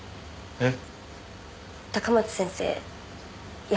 えっ？